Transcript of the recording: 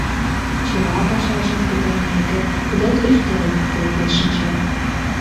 Чыла пашажым пытарымеке, тудат ӱстел воктеке шинче.